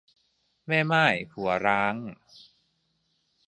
แม่ม่ายผัวร้าง